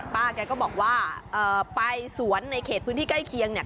แกก็บอกว่าไปสวนในเขตพื้นที่ใกล้เคียงเนี่ย